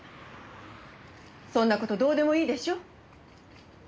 そんな事どうでもいいでしょ。